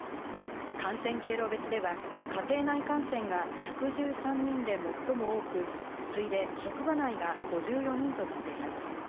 感染経路別では家庭内感染が１１３人で最も多く次いで職場内が５４人となっています。